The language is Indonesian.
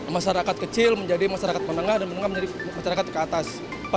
masyarakat kecil menjadi masyarakat menengah dan menengah menjadi masyarakat ke atas